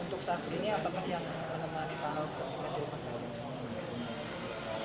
untuk saksi ini apakah yang menemani pak pak untuk mengadil masalah